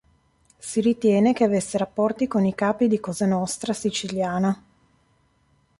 Si ritiene che avesse rapporti con i capi di Cosa nostra siciliana.